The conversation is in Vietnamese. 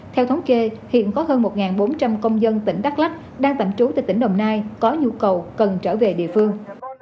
theo thống kê hiện có hơn một bốn trăm linh công dân tỉnh đắk lắc đang tạm trú tại tỉnh đồng nai có nhu cầu cần trở về địa phương